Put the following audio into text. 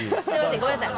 ごめんなさい。